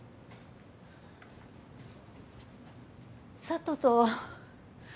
佐都と。